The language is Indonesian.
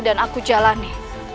dan aku jalani